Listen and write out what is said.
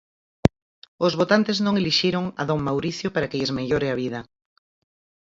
Os votantes non elixiron a don Mauricio para que lles mellore a vida.